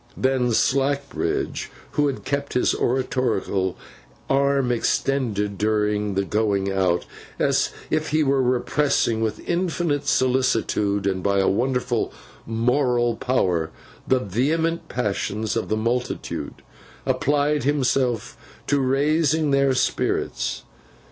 Then Slackbridge, who had kept his oratorical arm extended during the going out, as if he were repressing with infinite solicitude and by a wonderful moral power the vehement passions of the multitude, applied himself to raising their spirits.